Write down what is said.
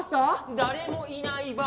誰もいないバー！